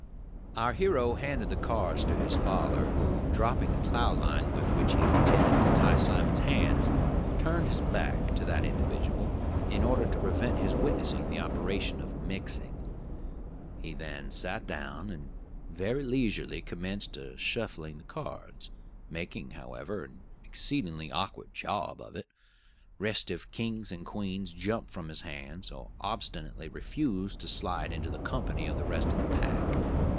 Our hero handed the cards to his father, who, dropping the plow line with which he had intended to tie Simon's hands, turned his back to that individual, in order to prevent his witnessing the operation of mixing. He then sat down, and very leisurely commenced shuffling the cards, making, however, an exceedingly awkward job of it. Restive kings and queens jumped from his hands, or obstinately refused to slide into the company of the rest of the pack.